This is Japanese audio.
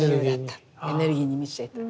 エネルギーに満ちていた。